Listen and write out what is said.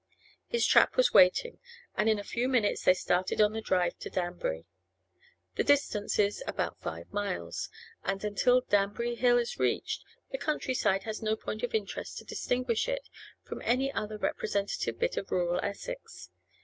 His trap was waiting, and in a few minutes they started on the drive to Danbury. The distance is about five miles, and, until Danbury Hill is reached, the countryside has no point of interest to distinguish it from any other representative bit of rural Essex.